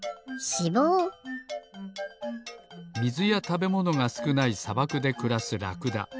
みずやたべものがすくないさばくでくらすラクダ。